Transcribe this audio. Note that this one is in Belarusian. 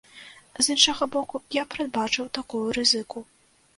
З іншага боку, я прадбачыў такую рызыку.